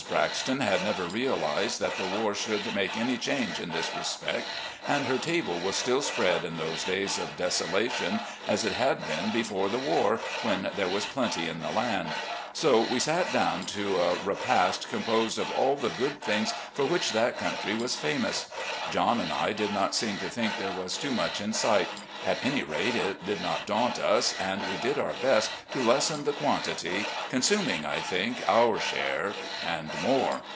Braxton had never realised that the war should make any change in this respect, and her table was still spread in those days of desolation as it had been before the war, when there was plenty in the land. So we sat down to i68 RECOLLECTIONS OP GENERAL LEE a repast composed of all the good things for which that country was famous. John and I did not seem to think there was too much in sight — at any rate, it did not daunt us, and we did our best to lessen the quantity, con suming, I think, our share and more